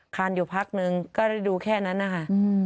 คานอยู่พักนึงก็ได้ดูแค่นั้นนะคะ